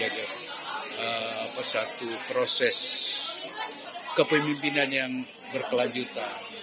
dan memperbaiki proses kepemimpinan yang berkelanjutan